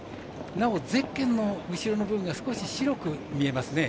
なおゼッケンの後ろの部分が少し白く見えますね。